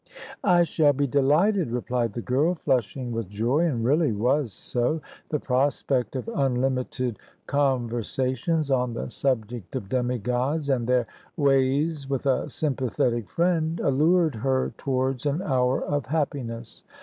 "I shall be delighted," replied the girl, flushing with joy, and really was so. The prospect of unlimited conversations on the subject of demi gods, and their ways with a sympathetic friend, allured her towards an hour of happiness.